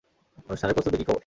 অনুষ্ঠানের প্রস্তুতির কী খবর?